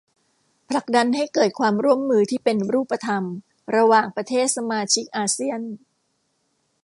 ผลักดันให้เกิดความร่วมมือที่เป็นรูปธรรมระหว่างประเทศสมาชิกอาเซียน